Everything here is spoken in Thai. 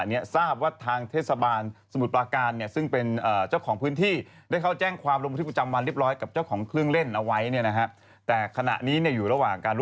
จริงมันเป็นของเด็กหรือเปล่า